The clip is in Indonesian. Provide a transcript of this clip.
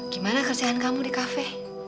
gimana kerjaan kamu di kafe